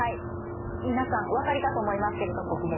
皆さんおわかりかと思いますけれどもはい。